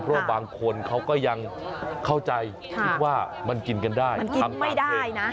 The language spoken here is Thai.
เพราะบางคนเขาก็ยังเข้าใจคิดว่ามันกินกันได้มันทำไม่ได้นะ